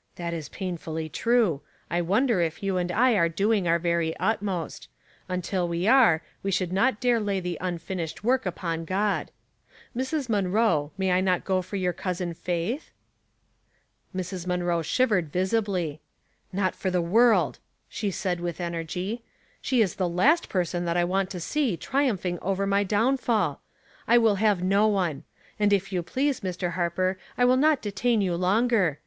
" That is painfully true. I wonder if you and I are doing our very utmost. Until we are, we 260 Household Puzzles, should not dare lay the unfinished work upon God. Mrs. Munroe, may I not go for your Cousin Faith ?" Mrs. Munroe shivered visibly. "Not for the world," she said, with energy. She is the last person that I want to see tri umphing over my downfall. I will have no one; and if you please, Mr. Harper, I will not detain you longer.